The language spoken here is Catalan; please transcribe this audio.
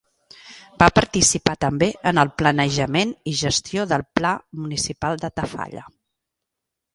Va participar també en el planejament i gestió del Pla Municipal de Tafalla.